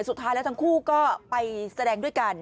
สุดท้ายแล้วทั้งคู่ก็ไปแสดงด้วยกัน